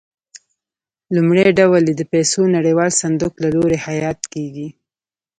لومړی ډول یې د پیسو نړیوال صندوق له لوري حیات کېږي.